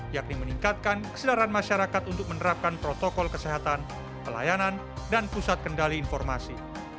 yakni meningkatkan kesedaran masyarakat untuk menerapkan protokol kesehatan pelayanan dan pusat kendali informasi